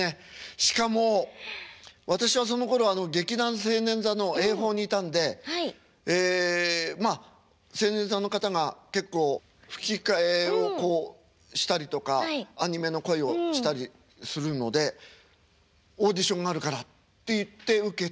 しかも私はそのころは劇団青年座の映放にいたんでええまあ青年座の方が結構吹き替えをしたりとかアニメの声をしたりするのでオーディションがあるからっていって受けて。